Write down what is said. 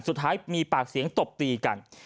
สุดท้ายมีปากเสียงตบตีกัน